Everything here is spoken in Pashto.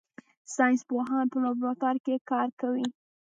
ساینس پوهان په لابراتوار کې کار کوي